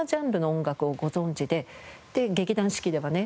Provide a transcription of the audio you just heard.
劇団四季ではね